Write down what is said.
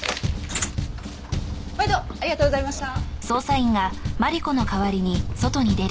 毎度ありがとうございました。